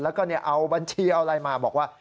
แล้วก็เอาบัญชีเอาอะไรมาบอกว่า